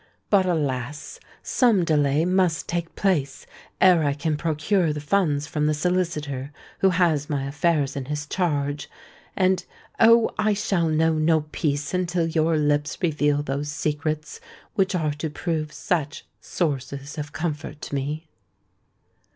But, alas! some delay must take place ere I can procure the funds from the solicitor who has my affairs in his charge; and, oh! I shall know no peace until your lips reveal those secrets which are to prove such sources of comfort to me."